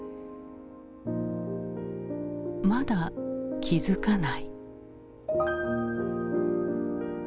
まだ気付かない。